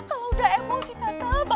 kalau udah emosi tante bahaya